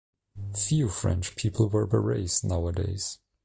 Few French people wear berets nowadays.